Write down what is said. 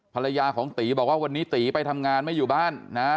ภรรยาของตีบอกว่าวันนี้ตีไปทำงานไม่อยู่บ้านนะ